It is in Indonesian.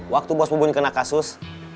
waktu bos mubun kena kasus